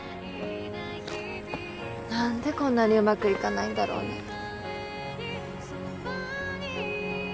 何でこんなにうまくいかないんだろうね？